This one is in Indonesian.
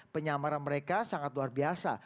penyamaran mereka sangat luar biasa